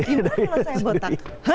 gimana kalau saya botak